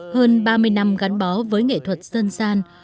hơn ba mươi năm gắn bó với nghệ thuật dân gian